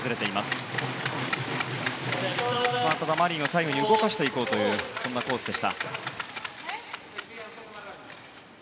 ただマリンは左右に動かしていこうというそんなコースでした。